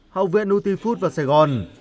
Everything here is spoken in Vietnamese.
học viện nutifood và sài gòn